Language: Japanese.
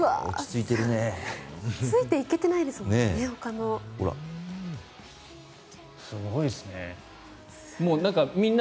ついていけてないですもんね、ほかの。